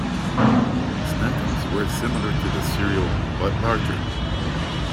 Snack Ums were similar to the cereal but larger.